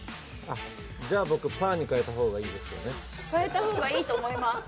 じゃあ、僕パーに変えたほうがいいですよね？